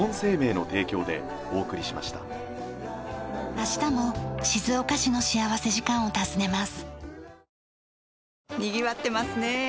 明日も静岡市の幸福時間を訪ねます。